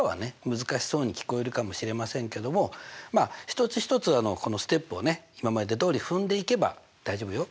難しそうに聞こえるかもしれませんけども一つ一つこのステップをね今までどおり踏んでいけば大丈夫よ。